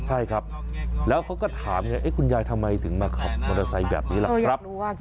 ใช่ครับแล้วเขาก็ถามไงคุณยายทำไมถึงมาขับมอเตอร์ไซค์แบบนี้ล่ะครับ